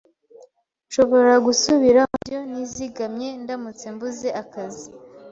Nshobora gusubira mubyo nizigamye ndamutse mbuze akazi.